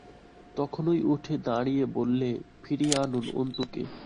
তখনই উঠে দাঁড়িয়ে বললে, ফিরিয়ে আনুন অন্তুকে।